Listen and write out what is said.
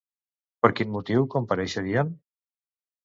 Per quin motiu compareixerien?